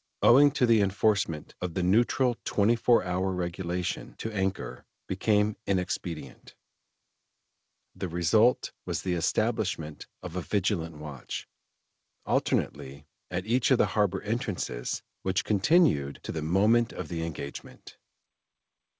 Owing to the enforcement of the neutral twenty four hour regulation, to anchor, became inexpedient; the result was the establishment of a vigilant watch, alternately, at each of the harbor entrances, which continued to the moment of the engagement.